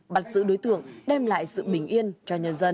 bắt giữ đối tượng đem lại sự bình yên cho nhân dân